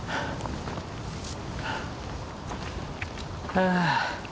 はあ。